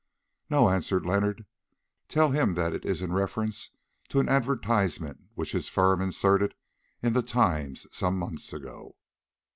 "No," answered Leonard. "Tell him that it is in reference to an advertisement which his firm inserted in the 'Times' some months ago."